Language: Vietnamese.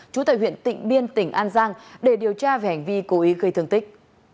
chú tại huyện tịnh biên tỉnh an giang để điều tra về hành vi cố ý gây thương tích